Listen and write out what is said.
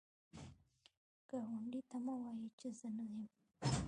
ګاونډي ته مه وایی چې زه نه یم